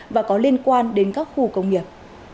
và có liên quan đến các khu công nghiệp